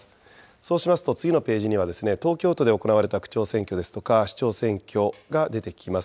そうしますと次のページには、東京都で行われた区長選挙ですとか、市長選挙が出てきます。